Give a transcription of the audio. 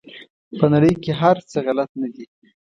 په نړۍ کې هر څه غلط نه دي.